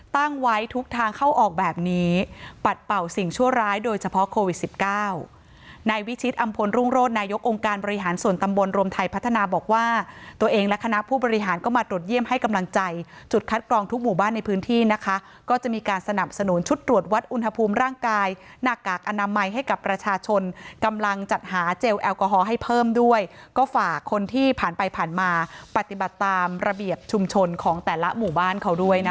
ตั้งไว้ทุกทางเข้าออกแบบนี้ปัดเป่าสิ่งชั่วร้ายโดยเฉพาะโควิด๑๙ในวิชิตอำพลรุ่งโรศนายกองการบริหารส่วนตำบลโรมไทยพัฒนาบอกว่าตัวเองและคณะผู้บริหารก็มาตรวจเยี่ยมให้กำลังใจจุดคัดกรองทุกหมู่บ้านในพื้นที่นะคะก็จะมีการสนับสนุนชุดตรวจวัดอุณหภูมิร่างกายหน้ากากอนามัยให้ก